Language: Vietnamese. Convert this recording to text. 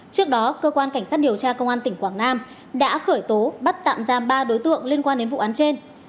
trước đó cơ quan cảnh sát điều tra công an tỉnh quảng nam đã khởi tố bắt tạm giam ba đối tượng liên quan đến vụ án trên